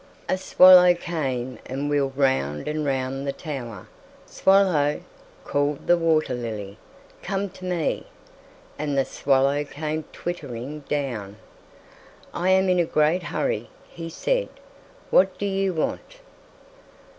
A swallow came and wheeled round and round the tower. "Swallow," called the water lily, "come to me." And the swallow came twittering down. "I am in a great hurry," he said; "what do you want?"